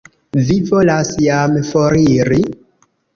Vi volas jam foriri?